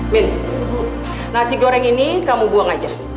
min nasi goreng ini kamu buang aja